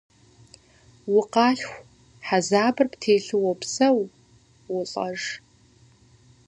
Укъалъху, хьэзабыр птелъу уопсэу, уолӏэж.